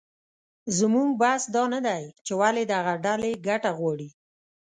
زموږ بحث دا نه دی چې ولې دغه ډلې ګټه غواړي